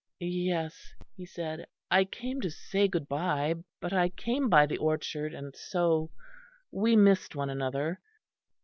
"Yes," he said, "I came to say good bye; but I came by the orchard, and so we missed one another."